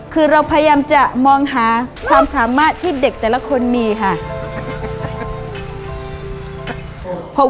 คือเราพยายามจะมองหาความสามารถที่เด็กแต่ละคนมีค่ะ